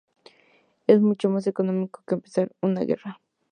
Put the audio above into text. Es mucho más económico que empezar una guerra"".